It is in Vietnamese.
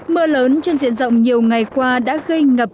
mưa lớn trên diện rộng nhiều ngày qua đã gây ngập